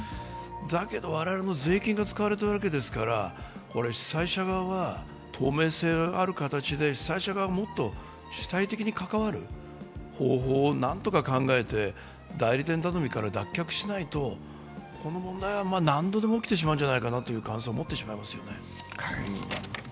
だけど、我々の税金が使われているわけですから、主催者側は透明性のある形で、もっと主体的に関わる方法をなんとか考えて、代理店頼みから脱却しないとこの問題は何度でも起きてしまうのではないかという感想を持ってしまいますよね。